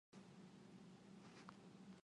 Bisakah kita pergi ke sirkus?